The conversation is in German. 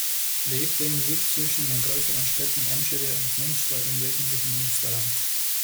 Legden liegt zwischen den größeren Städten Enschede und Münster im westlichen Münsterland.